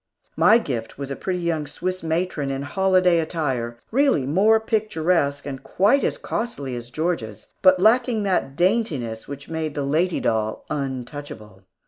My gift was a pretty young Swiss matron in holiday attire, really more picturesque, and quite as costly as Georgia's, but lacking that daintiness which made the lady doll untouchable.